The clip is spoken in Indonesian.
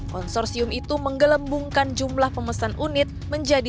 konsorsium itu menggelembungkan jumlah pemesanan unit menjadi seratus unit